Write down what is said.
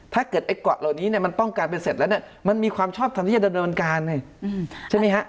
ถ้าเกิดไอ้กรรมเหล่านี้มันป้องกันไปเสร็จแล้วมันมีความชอบทำที่จะเดินบริวันกลาง